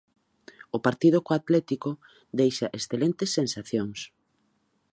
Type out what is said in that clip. O partido co Atlético deixa excelentes sensacións.